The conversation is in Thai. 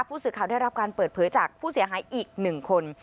ผู้สื่อข่าวได้รับการเปิดเผยจากผู้เสียหายอีก๑คน